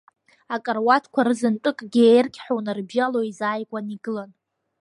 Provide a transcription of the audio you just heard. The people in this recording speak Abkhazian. Акаруаҭқәа рызынтәыкгьы, еергьҳәа унарыбжьало, еизааигәаны игылан.